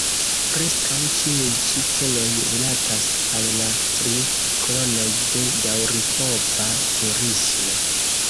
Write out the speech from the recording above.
Preskaŭ ĉiuj-ĉi celoj rilatas al la tri kolonoj de daŭripova turismo.